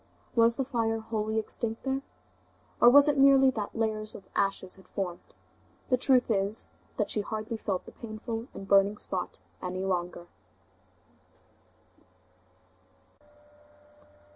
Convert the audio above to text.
Was the fire wholly extinct there? Or was it merely that layers of ashes had formed? The truth is, that she hardly felt the painful and burning spot any longer.